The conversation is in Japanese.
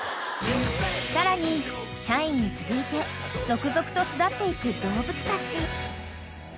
［さらにシャインに続いて続々と巣立っていく動物たち］